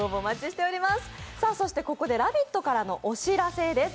ここで「ラヴィット！」からのお知らせです。